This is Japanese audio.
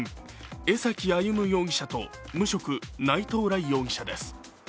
江崎歩夢容疑者と無職、内藤頼容疑者です。